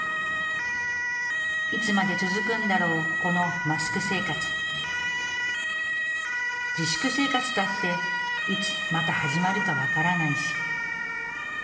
いつまで続くんだろう、このマスク生活自粛生活だって、いつまた始まるかわからないし。